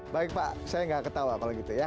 baik pak saya nggak ketawa kalau gitu ya